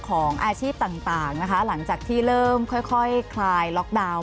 ของอาชีพต่างนะคะหลังจากที่เริ่มค่อยคลายล็อกดาวน์